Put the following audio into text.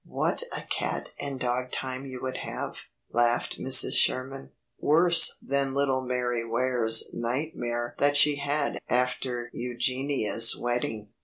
"What a cat and dog time you would have," laughed Mrs. Sherman. "Worse than little Mary Ware's nightmare that she had after Eugenia's wedding."